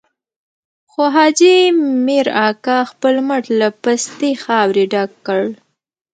خو حاجي مير اکا خپل موټ له پستې خاورې ډک کړ.